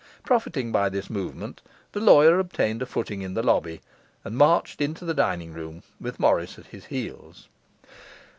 Profiting by this movement, the lawyer obtained a footing in the lobby and marched into the dining room, with Morris at his heels.